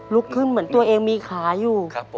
ลุกขึ้นเหมือนตัวเองมีขาอยู่